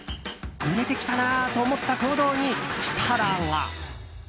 売れてきたなと思った行動に設楽が。